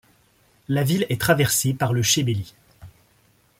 La ville est traversée par le Chébéli.